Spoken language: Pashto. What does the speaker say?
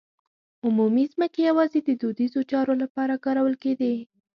عمومي ځمکې یوازې د دودیزو چارو لپاره کارول کېدې.